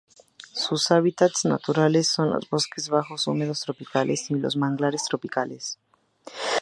Sus hábitats naturales son los bosques bajos húmedos tropicales y los manglares tropicales.